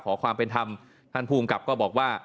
ขอความเป็นธรรมท่านภูมิกับก็บอกว่า